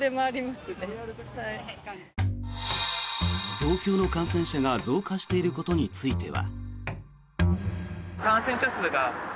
東京の感染者が増加していることについては。